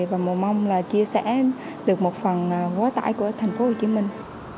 và mong mong là chia sẻ được một phần hối tải của thành phố hồ chí minh